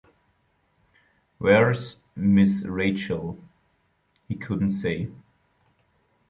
‘Where’s Miss Rachael?’ He couldn’t say.